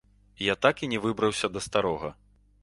Я так і не выбраўся да старога.